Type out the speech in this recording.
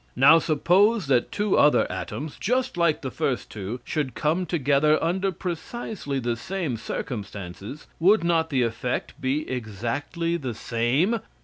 Now suppose that two other atoms, just like the first two, should come together under precisely the same circumstances, would not the effect be exactly the same?